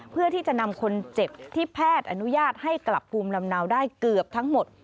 เพื่อที่จะนำคนเจ็บที่แพทย์อนุญาตให้กลับภูมิลำเนาได้เกือบทั้งหมด